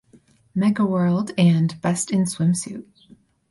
Megaworld and Best in Swimsuit.